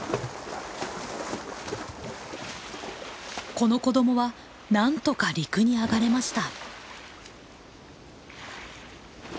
この子どもはなんとか陸に上がれました。